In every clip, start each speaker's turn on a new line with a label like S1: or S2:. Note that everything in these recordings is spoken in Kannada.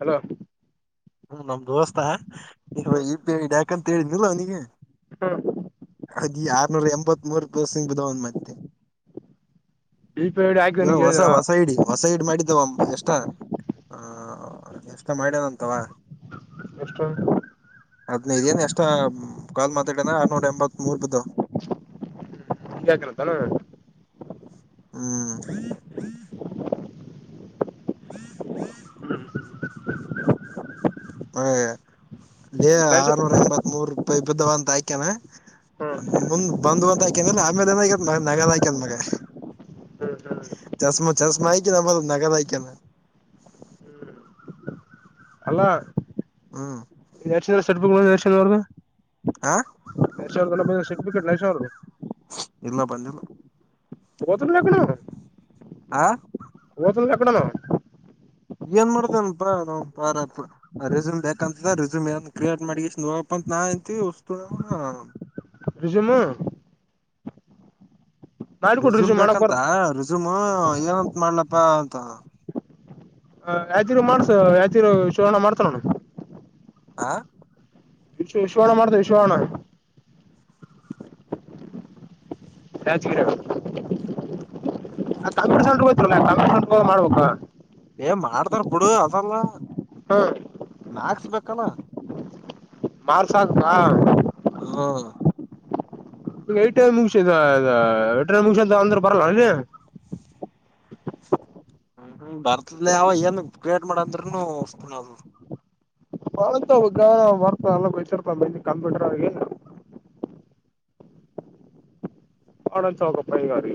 S1: ಹಲೋ
S2: ಹ್ಮ ನಮ್ದ ದೋಸ್ತಾ ಇ ಇಬ ಯಾಕಂತ ಹೇಳಿದ್ಿಲ್ಲ ಅವನಿಗೆ ಅದಿ ಆರ್ನೂರ ಎಂಬತ್ ಮೂರು ಪಸಿಂಗ್ ಬಧ ಒನ್ ಮಧ್ಯೆ
S1: ಯು ಪಿ ಐ ಡಿ ಹಾಕಿದ
S2: ಇ
S1: ನಿಗೆ
S2: ಹೊಸ
S1: ಹೇಳಿದನ
S2: ಹೊಸ ಇಡಿ ಹೊಸ ಇಡ್ ಮಾಡಿದ್ದಾವ ಎಷ್ಟ ಎಷ್ಟ ಮಾಡ್ಯನಂತವಾ
S1: ಎಷ್ಟೊಂದು
S2: ಹದ್ನೈದ ಏನ್ ಎಷ್ಟ ಕಾಲ್ ಮಾತಾಡನ ಆರ್ನೂರ ಎಂಬತ್ ಮೂರ್ ಬ್ದ
S1: ಹ ಯಾಕತ್ತಾನ
S2: ಹ್ಮ್್ಮ್ಮ [inaudible] ಹ್ಮ್ ಹ್ಮ್ [inaudible] [inaudible] ಹಲ್ಲೇ
S1: ನಡ್ಸು
S2: ಆರ್ನೂರ ಎಂಬತ್ ಮೂರು ರೂಪಾಯಿ ಬಿದ್ದಾವ ಅಂತ ಆಾಕ್ಯನಾ
S1: ಹ್ಮ ಹ್ಮ್
S2: ಮುಂದ್ ಬಂದ್ ಅಂತ ಆಯ್ಕೇನಲ್ ಆಮೇಲೆ ಏನ ಆಗ್ಯತ್ ಮಗ ನಗಾಲ ಆಯಕನ್ ಮಗ
S1: ಹ್ಮ್
S2: ಚಸ್್ಮಾ ಚಸ್್ಮಾ ಆಯಕ ನಮ್ಮತ್ತ ನಗದ ಆಯಕಣ
S1: ಅಲ್ಲ ಎರ್ ಚ ಸಪ ಎಡ್ ಚರ್ಗ [inaudible]
S2: ಆ
S1: ನಲ್ಲ ಸಟಿಟ್ ನ
S2: ಇಲ್ಲ ಪಲ್ಲಿಿಲ್ಲ
S1: ಬತ್ತಲು ನಕಣ [inaudible]
S2: ಹಾ [unintelligible]
S1: ಹತಂದ ಕಕಡನ [inaudible]
S2: ಏನ್ ಮಾಡತನಪಾ ನ ಪ ರೆಸೂಮ್ ಬೇಕಕ್ಂತ ರೆಸೂಮ್ ಏನ್ ಕ್ರಿಯೇಟ್ ಮಾಡಿ ಹೋಗ ನಾಯಐತಿ ಉಸ್ತು ನ
S1: ನಿಜುಮ
S2: ರೆಿಸ್ಯೂಮ್
S1: ರಿಸ್ಯೂಮ್ ಮಾಡಕ್
S2: ಬೇಕಂತ
S1: ಬರ್ತ
S2: ರಿಸ್ಯೂಮ್ ಏನಂತ ಮಾಡ್ಲಪ್ಪಾ ಅಂತ
S1: ಹ ಯಾವ್ದರು ಮಾಡ್ಸ ಯಾತಿರು ಶಿವಣ ಮಾಡ್ತಾರೋಣ
S2: ಆಾ
S1: ವಿಶ್ ವಿಶ್ವಣ ಮಾಡ್ತೆ ವಿಶ್ವ ಹಣ ದಾಚಗರ ಆ ಕಲ್ ಹೋ್ಲ್ಲ ಕ ಮಾಡ್ಬೇಕ
S2: ಮಾಡ್ತಾರ ಬಿಡು ಅದಲ್ಲ
S1: ಹ್ಮ
S2: ಮ್ಯಾಕ್ಸ್ ಬೇಕಲ್ಲ
S1: ಮಾರ್ಸಕ್ ಹಾ
S2: ಹಾ
S1: ಈಗ ಐಟ ಮುಗಸ ೈ ಮುಗಸಂತ ಅಂದ್ರೆ ಬರಲ್ಲ ನೀ
S2: ಹ್ಮ ಹ್ಮ ಬರ್ತದ್ಲ ಯಾವ ಏನ್ ಕ್ರಿಯೇಟ್ ಮಾಡಂದ್ರೂನು ಒಸ್ತರು
S1: ಮಂತ ಬರ್ತ ಎಲ್ಲ ಬಯಸರ್ತ ಕಂಪ್ಯೂಟ್ರ ಅವ ಒಡ ಚೌಕ ಪೈಂಗಾರಿ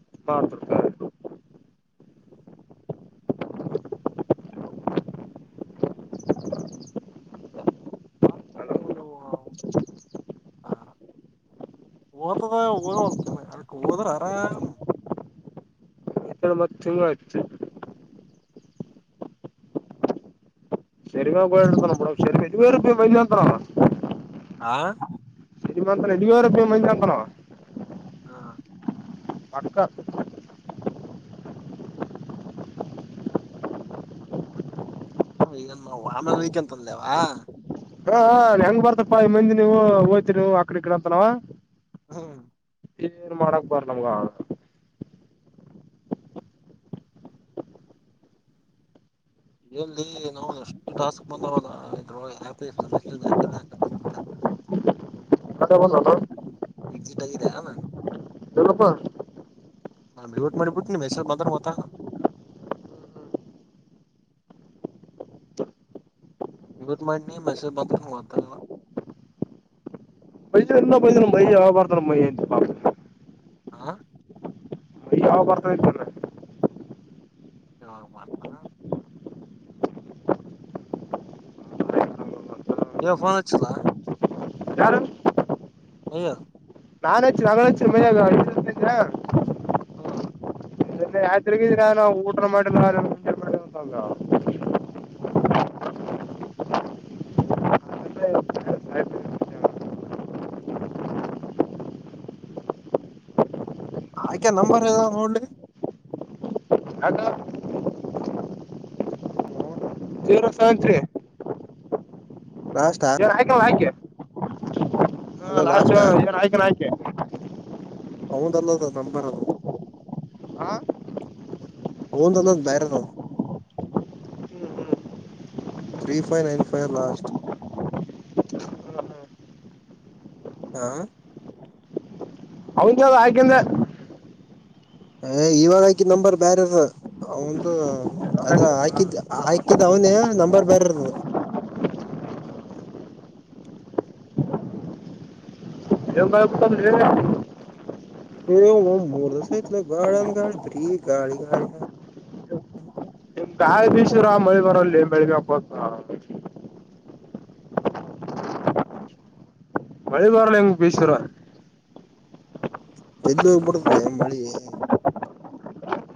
S1: ಮಾಡ್ತಡ್ತ
S2: ಮೂನು ಹ [inaudible] ಓ್ತದ ಹದ ಹೊಲ್ತೇನೆ ಅದಕ್ಕೆ ಹೋದ್ರ ಆರಾಮ್
S1: ಎತ್ತ ಮತ್ ತಿಂಗಳು ಆಯ್ತು ಸರಿಮಯಡ್ ತನ ಕೂಡ ಸರಿ ಇೇ ವೈದಂತರ
S2: ಹಾ
S1: ಇ ಮ ಇ ರೂಪ ಮಂದ ಅಂತನ
S2: ಹಾ
S1: ಮಡ್ಕ
S2: ಇಮ್ಮ ವಾಮ ವಿಕಂತಂದೇವಾ
S1: ಹಾ ಹೆಂಗ್ ಬರ್ತಪ್ಪಾ ಮಂದಿ ನೀವು ಹೋ್ತರಿ ನೀವ್ ಆಕಡಿ ಇ ಕಡ ಅಂತನಾವ
S2: ಹ್ಮ್
S1: ಏನ್ ಮಾಡಕ್ ಬಾರ ನಮ್ಗ
S2: ಎಲ್ಲಿ ನಾವು ಎಷ್ಟು ಟಾಸ್ಕ್ ಬಂದ್ರಾಕ ಹಾಕಂತ
S1: ಕತ್ತ ಬಸೋತ
S2: ಎಜಿಟ್ಗಿದೆ
S1: ಹಪ್ಪ
S2: ನಾ ಮ್ಯೂಟ್ ಮಾಡಿಬಟ್ಟುನ ಮಸಬ್ ಮಾತ್ರ ಮತ ಇಗತ್ತು ಮಾಡ ನೀ ಮೆಸೇಜ್ ಬತ್ರ ನೀ ವತಲ್ಲ
S1: ಪಯ ಎಲ್ಲ ಬ ನಮ್ಮ್ಯ ಬಾರತ ನಮ್ಮ್ ಮಯಂತ
S2: ಆಾ
S1: ಯಾವಾಗ ಬರ್ತಾ ಇದತಲ್ಲ
S2: ಾಗ ಮಾಡತ
S1: ಅಂತ
S2: ಯವ ಫೋನ್ಚ್ಚಲ ಹೋ
S1: ನಾನಾು ನಂಗಾ
S2: ಹಾ
S1: ಅ ರಾತ್ರಿಕ ನಾನು ಊಟ ಮಾಡಿ
S2: ಹ್ಮ ಆಯ್ಕೆ ನಂಬರ್ ಅದ ನೋಡ್ರಿ
S1: ಅದು
S2: ಹ್ಮ
S1: ಜೀರೋ ಸೆವೆನ್ ತ್ರೀ
S2: ಲಾಸ್ಟಾ
S1: ಜನ್ ಹಕಲ್ಲ ಹಯಕೆ [unintelligible] ಹಾ
S2: ಅದ
S1: ಲಡ್
S2: ಲಾಸ್ಟಾ
S1: ಆಯ್ಕಾನ ಆಯ್ಕೆ [unintelligible]
S2: ಹೌದಲ್ಲದ ನಂಬರ್ಲ್ಲ [inaudible]
S1: ಹಾ
S2: ಹನ್ ತಲ್ಲ ಬಹರ ತ [unintelligible] three five nine five last [unintelligible] ಹಾ
S1: ಹೌನ್ ಅದ ಯಾಕೆಂದ್ರೆ [inaudible]
S2: ಏ ಇವಾಗ ಹಾಕಿದ್ ನಂಬರ್ ಬ್ಯರೆಂದು ಅದ ಹಾಕಿದ್ ಹಾಕಿದ [inaudible] ಅವನ ನಂಬರ್ ಬರೆದು [inaudible]
S1: ದವ ಬಾಯ ಉತ್ತ ಹೇಳ [inaudible]
S2: ್ ಮೂರ್ಸಲ ಗಾಳ ಗಾಳ ಭ್ರ ಗಾಳಿ ಗಾಳಿ ಗಾಳ [inaudible] ಹ [inaudible]
S1: ನಿಮ್ ಗಾಯಿ ಬೀ ಶುರು ಮಳಿ ಬರಲ್ಲಿ ಬೆಳಗ್ಗೆ ಹಾಪಸ್ [inaudible] ಒಳಿ ಬಾರ ಹೆಂಗ್ ಬೇಸರ [inaudible]
S2: ಎಲ್ಲಿ ಹೋಗ್ಬಿಡ್ದಲ್ಲ ಮಳಿ [inaudible]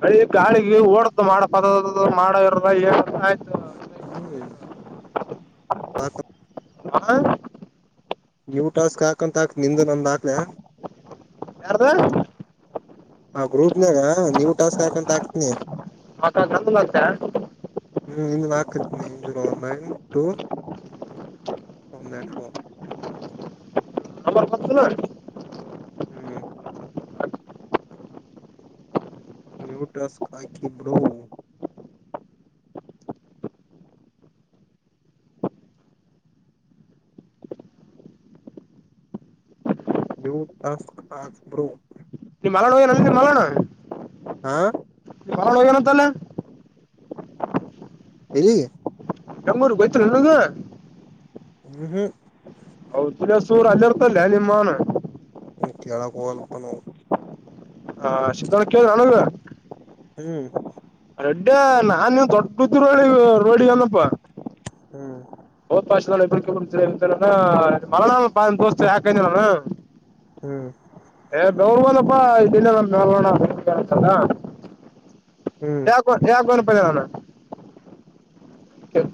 S1: ಅಳಿ ಗಾಳಿಗೆ ಓಡ್ದ ಮಾಡ ಪದ ಮಾಡ ಇರ ಏ ಆಯ್ತು [inaudible]
S2: ಹ್ಮ್ [inaudible]
S1: ಹಾ [inaudible]
S2: ನೀವು ಟಾಸ್ಕ್ ಹಾಕಂತ ಹಾಕ್ ನಿಂದು ನಂದಾಕ್ಲೆ [inaudible]
S1: ಯಾರ್ದ [inaudible]
S2: ಆ ಗ್ರೂಪ್ನಾನ ನೀವ ಟಾಸ್ಕ್ ಹಾಕಂತ ಹಾಕ್ತೀನಿ [inaudible]
S1: ಮತ್ತ ಅಂತ [inaudible]
S2: ಹ್ಮ್ ಇನ್ನು ಹಾಕತ್ನ ಇ ಲೈನ್ ಟೂ [inaudible] ಒನ್ನೆಟ್ [inaudible]
S1: ಆಾರ ಕೊತನಾ [inaudible]
S2: ಹ್ಮ್ [inaudible] ನ್ಯೂಟಸ್ಕ್ ಹಾಕಿ ಬಿಡುೋ ನೀವು ತಸ್ಕ್ ಆಸ್ ಬ್ರೋ [inaudible]
S1: ಮಲಣ ನೆ ಮಲಣ [inaudible]
S2: ಹಾ [inaudible]
S1: ಹೊರಳ ಹೋಗ ೇನಂತಲ್ಲ [unintelligible]
S2: ಹೇಳಲ್ಲಿಿ
S1: ನಮ್ಮೂರ್ ಗಯ್ತ ನನಗ [inaudible]
S2: ಹ್ಮ [inaudible]
S1: ಹೌ ಚಲ ಸೂರ ಅಲ್ಲಿ ಇರ್ತಲ್ಯ ನಿಮ್ಮನ್ [inaudible]
S2: ಮು ಕೆಾ ಕಲ್ಲ ಬನ [inaudible]
S1: ಹಾ ಸೀತ ಕ ನಾಣ [inaudible]
S2: ಹ್ಮ್ [inaudible]
S1: ರೊಡ್ಡ ನಾನ್ ನೀವ್ ದೊಡ್ ಗತ್ತ ರಿ ರೋಡಿ ಅನಪ್ಪಾ [inaudible]
S2: ಹ್ಮ್ [inaudible]
S1: ಮಳ ಹಾಯ [inaudible]
S2: ಹ್ಮ್ [inaudible]
S1: ಏ ಬೆವರುಗನಪ್ಪಾ ಇದಿನೇ ನಮ್ ಬೆಣಸಲ್ಲ [inaudible]
S2: ಹ್ಮ್
S1: ಯಾಕ ಯಾಕ ಅನ್ಪದ ನಾನ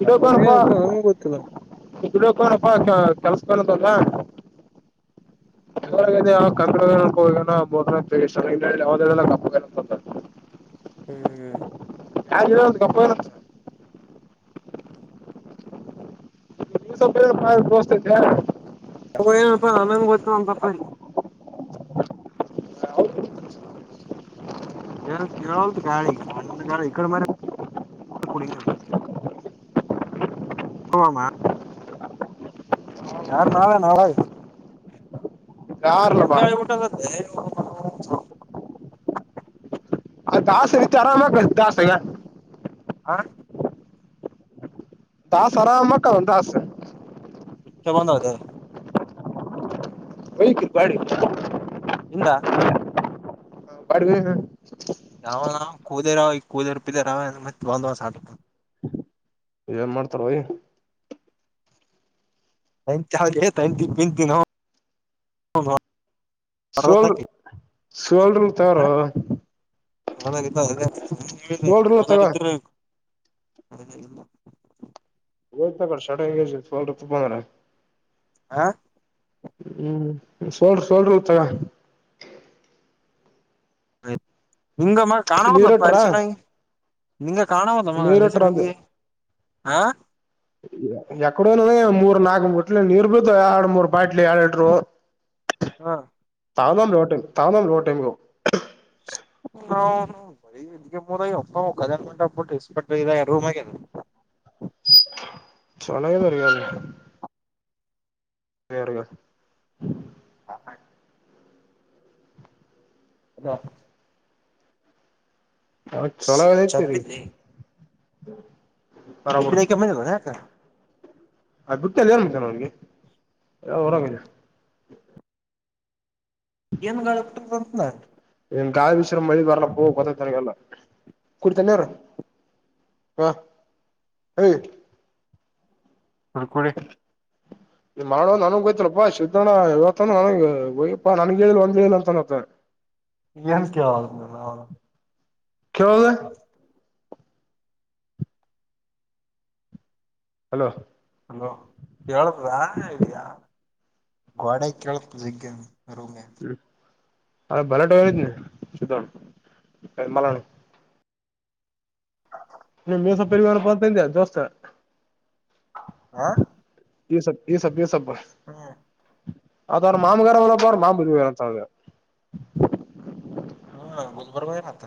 S1: ಡಕ
S2: ಅವ
S1: ಹ
S2: ಏನಪ್ಪಾ ನನ್ಗೂ ಗೊತ್ತಿಲ್ಲ
S1: [inaudible] ಹಡಕಣಪ್ಪಾ ಕೆಲ್ಸ ಕಾಣದಲ್ಲ [inaudible] ಹೊ
S2: ಹ್ಮ್
S1: ಯಾವ ಯಾವುದಲ್ಲ ಕಪ್ಪ [inaudible]
S2: ಹ್ಮ್ [inaudible]
S1: ಯರ ಗಪ್ಪ ಇತ್ತ [inaudible] ದೋಸ್ತ
S2: ಹಯ ಅ ಆಂಗ ಬತ್ತುಿ ಕೆ ಖಳಿ ಚ್ಣ ಇಡೆ ಮ ಕುಡಿ ಹಾಮಾ ಯಾರ ನಾಾವ ನ ಭ ಎ
S1: ಯಾರ್ಲವ
S2: ಗಾಳ ಉಟ ಹ
S1: ಅದ ಆಸೆ ಹೆಚ್ಚ ಆರಾಮಾ ಆಸೆಗ
S2: ಹ
S1: ದಾಸ್ ಆರಾಮಕ್ಕ ದಾಸ್
S2: ಕ್ಕೆ ಬಂದ ಅದ
S1: ಬೈಕರ್ ಬಾಡಿ
S2: ಇಿಂದ
S1: ಪಡ್ುವ ಹ
S2: ಅವ ಕಲರ ಅವ ಈ ಕದುಂದ ಸ ಸಾಿ
S1: ಇನ್ ಮಾಡ್ತಾರ ಯ
S2: ತ ಚ ತಂತಂತ ನ
S1: ಸೋಲ್ ಸೋಲ್ರಿ ತಾರ
S2: ಚನ್ನಾಗಿದ್ದ
S1: ಸೋಲ್ಡ್ರಲ್ ತಗೋ
S2: ಚಾಗಿರ ಅದ
S1: ಹ್ತಟ ಹೋ ತುಪ್ಪಂದ್ರ
S2: ಹಾ
S1: ಹ್ಮ್ ಸೋಲ್್ರಿ ಸೋಲ್ರಿಿ ತಗ
S2: ಹ ನಿಂಗಮ್ಮ ಕಾಣ ಪದಲ್ಲಪ್ಪ
S1: ನೀರಿಟ್ರ
S2: ಅರಿಶ ನೀಂಗ ಕಾಣಾವದಲ್ಲಮ್ಮ
S1: ನೀರಿಟ್ರ
S2: ಅರಿಶನಗೆ ಹಾ
S1: ಎಕಡೋ ಮೂರು ನಾಕು ಮುಟ್ಲೆ ನೀರು ಬಿೀತ ಆರಡು ಮೂರು ಬಟ್ಲಿ ಆಳಟರು
S2: ಹಾ
S1: ತಾನ್ ಲೋಟೈ್ ತಾನ್ ಲೋಟೈಮ್ ಗ
S2: ಹ್ಮ ಎ ಮುದ ಒಪ್ಪ ಒದ ಮಂಟಬಟ್ಟುಪಮ
S1: ಚಳಗೆ ಅಿಯಲ್ಲ ಬೇರಲ್ಲ
S2: ಹಾ ಅಾ
S1: ಹ ಚಲತ ರೀ
S2: ಚಪ್ಪಿಲಿ ಎಕ್ಕೆ ಮ ಯಕ
S1: ಅ ಗುತ್ತಲ್ಲಿ ಏನ್ತಾನ ಅವನ್ಗೆ ಹೊರೋಗಲ್ಲ
S2: ಏನ್ ಗಾ ಬಿಟ್ಟದಂತ
S1: ಎನ್ ಕಾದ ವಿಶರ ಮದ ಬರ್ಲ್ಲ ಕೊತ್ತ ತರಗಲ್ಲ ಕುಡತನ್ನರ ಹ
S2: ಕುಡಿ ಕುಡಿ
S1: ಮಾಡೋ ನನಗೆಯತ ಪ ನನಗೆ ಒಂದ ಅಂತತ್ತ
S2: ಏನ್ ಕೇಳಲ್ಲ ಅವನು
S1: ಕದು ಹಲೋ
S2: ಅಲೋ ಹೇಳುದ್ರಾ ಇದ್ಯಾಾ ಗೋಡೆ ಕೇಳು ಸಿಗ್ಗೆ
S1: ಹ್ಮ ಅ ಭಲಟರಿ ಸತ ಕ ಮಲ
S2: ಹ
S1: ನೀ ಮಸ ಪರಿವಾರ ಬರ್ತಾಿಂದ ದೋಸ್ತ
S2: ಆ
S1: ಈ ಸಬ್ ಈ ಸಬ್ ಈ ಸಬ್ ಅದ ಅವರ ಮಾಮಗಾರ ಒಲ್ಲಬ್ರ ಮಾಮುಜಾರಂತ
S2: ಹಾ ಬುಧಬರಬನತ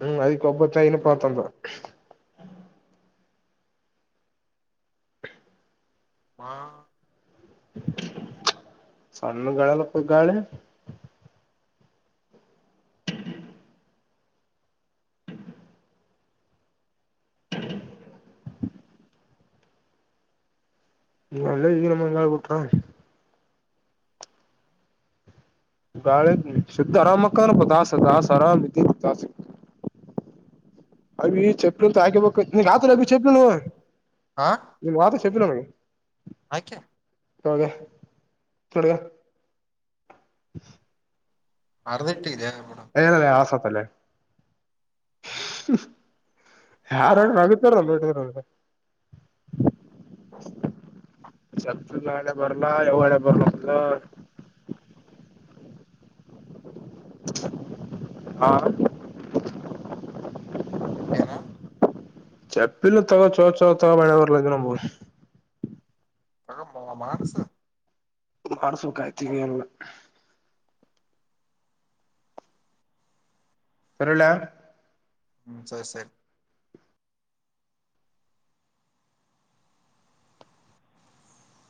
S1: ಹ್ಮ್ ಅದಕ್ಕೆ ಒಬ್ಬ ಚೈನ ಪತಂತ
S2: ಮಾ
S1: ಸಣ್ಣ್ಣ ಗಳೆಲ್ಲ ಕೊ ಗಾಳೆ ನಲ್ಲ ಇದಗ ನಮ್ಮ ಎಲ್ಲಾಲ ಕೊಟ್ಟ ಗಾಳ ಶುದ್ಧ ಆರಾಮಕ್ಕಾನ ಪದಾಸದಾಸ ಆರಾಮ್ ರೀತಿಾಸ ಅ ಈ ಚಪ್ಪಲುಂತ ಹಾಕಿಬೇಕು ನೀವು ಆತ ನಬಿ ಚಪ್ಪಿ
S2: ಹ
S1: ನೀವು ವತ ಚಪ್ಪಿಲ್ಲ ನ
S2: ಆಕೆ
S1: ಹಳಗೆ ಚೊಟಗ
S2: ಅರ್ಧ ಇಟ್ಟಿದ್ಯಾ ಬಿಡ
S1: ಏನಲ್ಲೇ ಆಸತ್ತಲ್ಲೇ ಯಾರ್ರ ಆಗುತ್ತಾರಲ್ಲ್ರ ಸಲ್ಲ ಆಳೆ ಬರಲಾ ಯಾವಡೆೆ ಬರ್ಲಲ್ಲ ಹಾ
S2: ಏನ
S1: ಚಪ್ಪಿಲ್ಲ ತಗ ಚ ಚ ತಗ ಬೆಳ ಬರ್ಲ್ದ ನಬ
S2: ತಗ ಮನಸು
S1: ಮಾಡಸಬೇಕಕ್ಾಯ್ತನ ಅಲ್ ಸರಿ ಇಡ್ಲಾ
S2: ಹ್ಮ ಸರಿ ಸರಿ